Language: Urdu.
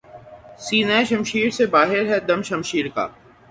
سینہٴ شمشیر سے باہر ہے دم شمشیر کا